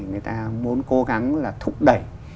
người ta muốn cố gắng là thúc đẩy